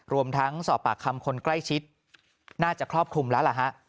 รวมทั้งสอบปากคำคนใกล้ชิดน่าจะครอบคลุมแล้วล่ะฮะ